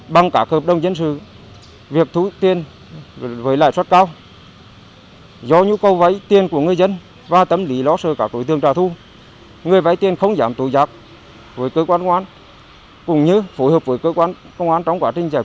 bằng tổ chức tính vi có nhiều phước thức hoạt động